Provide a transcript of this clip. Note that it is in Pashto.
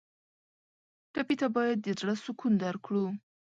ټپي ته باید د زړه سکون درکړو.